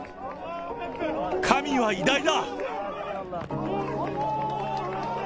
神は偉大だ。